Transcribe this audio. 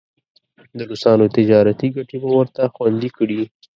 د روسانو تجارتي ګټې به ورته خوندي کړي.